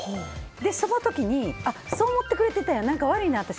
その時にそう思ってくれてたんや何か悪いなって。